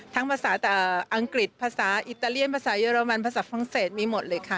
ภาษาอังกฤษภาษาอิตาเลียนภาษาเรมันภาษาฝรั่งเศสมีหมดเลยค่ะ